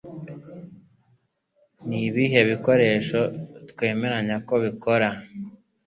Ni ibihe bikoresho twemeranya ko bikora